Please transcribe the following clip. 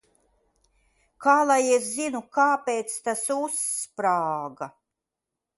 Kā lai es zinu, kāpēc tas uzsprāga?